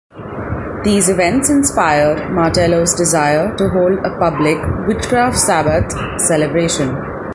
These events inspired Martello's desire to hold a public Witchcraft Sabbat celebration.